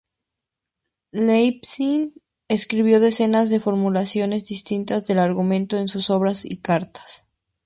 Leibniz escribió decenas de formulaciones distintas del argumento en sus obras y cartas.